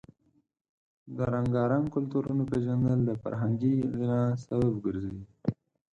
د رنګارنګ کلتورونو پیژندل د فرهنګي غنا سبب ګرځي.